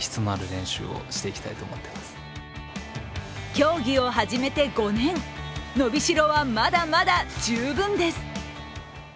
競技を初めて５年、伸びしろはまだまだ十分です。